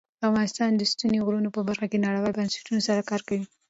افغانستان د ستوني غرونه په برخه کې نړیوالو بنسټونو سره کار کوي.